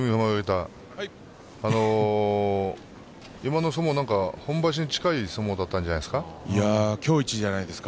今の相撲、本場所に近い相撲だったんじゃないですか？